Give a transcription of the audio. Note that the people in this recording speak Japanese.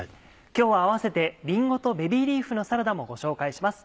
今日は併せて「りんごとベビーリーフのサラダ」もご紹介します。